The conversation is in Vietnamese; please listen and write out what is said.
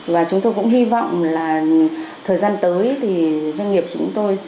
và chúng tôi cũng hy vọng là thời gian tới thì doanh nghiệp chúng tôi